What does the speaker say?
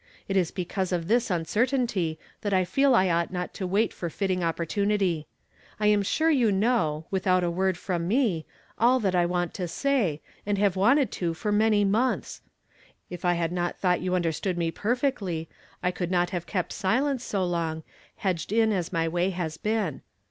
It is because of tliis un.certaiutv Lu.it ! fool I on<Tht not to wait for fitting opportunity. I am sui you 108 YEStEIlDAY FRAMED IN TO DAY. know, without a word from me, all that I want to say, and liave wanted to for many months. If 1 liad not thought you understood me i)erfeetly, I could not have kept silence so long, hedged in as my way has been.